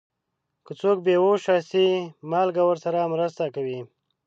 که څوک بې هوښه شي، مالګه ورسره مرسته کوي.